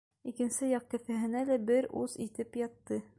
Икенсе яҡ кеҫәһенә лә бер ус инеп ятты.